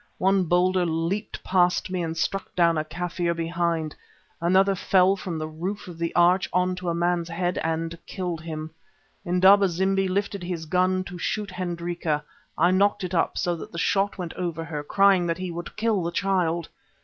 One boulder leaped past me and struck down a Kaffir behind; another fell from the roof of the arch on to a man's head and killed him. Indaba zimbi lifted his gun to shoot Hendrika; I knocked it up, so that the shot went over her, crying that he would kill the child.